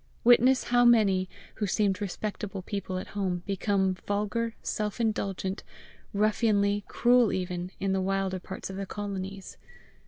Witness how many, who seemed respectable people at home, become vulgar, self indulgent, ruffianly, cruel even, in the wilder parts of the colonies!